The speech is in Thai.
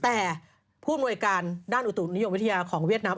แต่ผู้อำนวยการด้านอุตุนิยมวิทยาของเวียดนาม